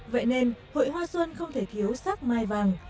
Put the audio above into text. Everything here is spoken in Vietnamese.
vậy nên hội hoa xuân không thể thiếu sắc mai vàng